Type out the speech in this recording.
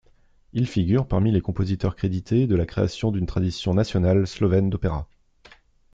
Il figure parmi les compositeurs crédités de la création d'une tradition nationale slovène d'opéra.